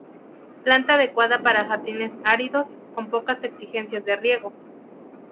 Planta adecuada para jardines áridos, con pocas exigencias de riego.